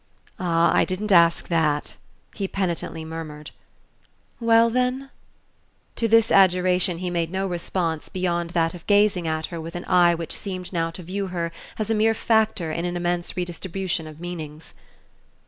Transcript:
"Ah, I didn't ask THAT," he penitently murmured. "Well, then " To this adjuration he made no response beyond that of gazing at her with an eye which seemed now to view her as a mere factor in an immense redistribution of meanings.